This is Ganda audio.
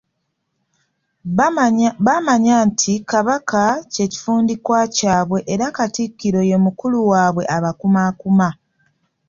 Bamanya nti Kabaka kye kifundikwa kyabwe era Katikkiro ye mukulu waabwe abakumaakuma.